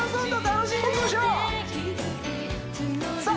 楽しんでいきましょうさあ